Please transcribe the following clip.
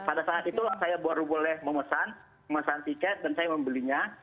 pada saat itulah saya baru boleh memesan tiket dan saya membelinya